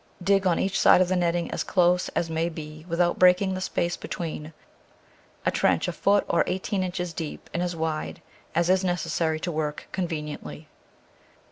Dig on each side of the netting, as close as may be without breaking the space between, a trench a foot or eighteen inches deep and as wide as is necessary to work conveniently.